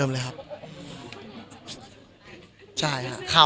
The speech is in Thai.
ไม่ใช่จริงเรา